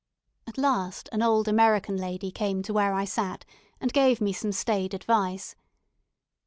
At last an old American lady came to where I sat, and gave me some staid advice.